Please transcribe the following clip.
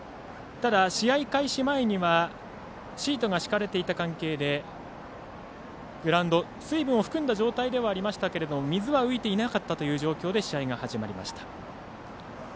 ただ、試合開始前にはシートが敷かれていた関係でグラウンド水分を含んだ状態ではありましたが水は浮いていなかったという状況で試合が始まりました。